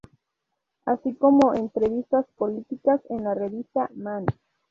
Así como entrevistas políticas en la revista "Man".